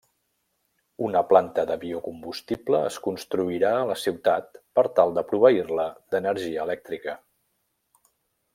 Una planta de biocombustible es construirà a la ciutat per tal de proveir-la d'energia elèctrica.